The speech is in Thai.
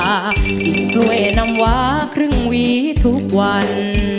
ขึ้นด้วยนำวาครึ่งวีทุกวัน